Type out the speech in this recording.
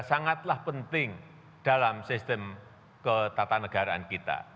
sangatlah penting dalam sistem ketatanegaraan kita